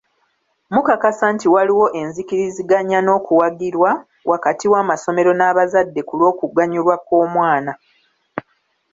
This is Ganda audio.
Mukakasa nti waliwo enzikiriziganya n'okuwagirwa wakati w'amasomero n'abazadde ku lw'okuganyulwa kw'omwana.